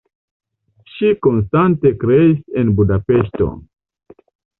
Ŝi konstante kreis en Budapeŝto.